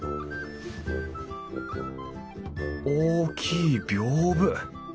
大きいびょうぶ。